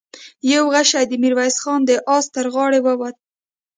يو غشۍ د ميرويس خان د آس تر غاړې ووت.